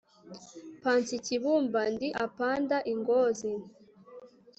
panzi, kibumba, ndjiapanda , i ngozi